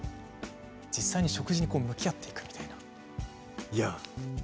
実際に食事に向き合っていくみたいな。